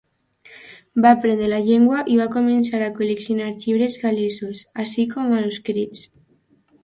Va aprendre la llengua i va començar a col·leccionar llibres gal·lesos, així com manuscrits.